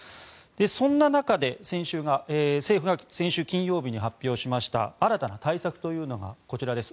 そんな中で先週金曜日政府が発表しました新たな対策というのがこちらです。